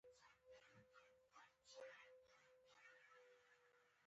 فرهاد شینواری په امریکا متحده ایالاتو کنیټیکټ کې اوسېږي.